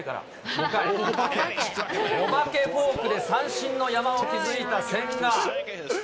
５回、お化けフォークで三振の山を築いた千賀。